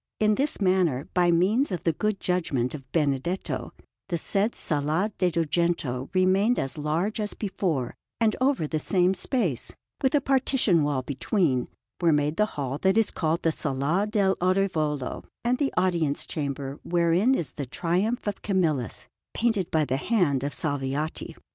In this manner, by means of the good judgment of Benedetto, the said Sala de' Dugento remained as large as before, and over the same space, with a partition wall between, were made the hall that is called the Sala dell' Orivolo and the Audience Chamber wherein is the Triumph of Camillus, painted by the hand of Salviati.